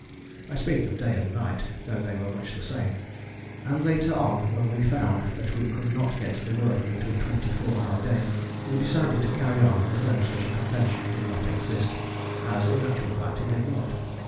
I speak of day and night, though they were much the same, and later on when we found that we could not get the work into a twenty four hour day, we decided to carry on as though such a convention did not exist; as in actual fact it did not.